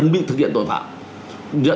viện tội phạm